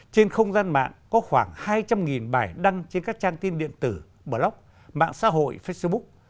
trên không gian mạng có khoảng hai trăm linh bài đăng trên các trang tin điện tử blog mạng xã hội facebook